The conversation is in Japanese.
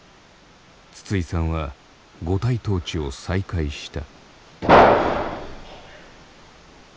筒井さんは五体投地を再開した。